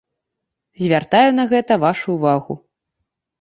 Звяртаю на гэта вашу увагу.